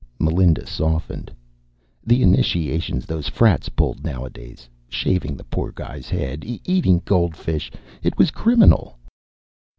Melinda softened. The initiations those frats pulled nowadays shaving the poor guy's head, eating goldfish it was criminal.